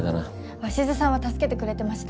鷲津さんは助けてくれてました。